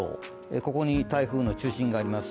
ここに台風の中心があります。